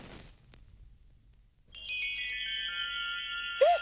えっ！